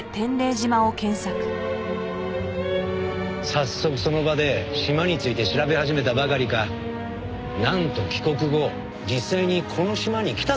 早速その場で島について調べ始めたばかりかなんと帰国後実際にこの島に来たそうですよ。